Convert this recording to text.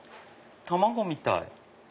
卵みたい。